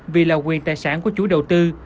vì là quyền tài sản của chủ đầu tư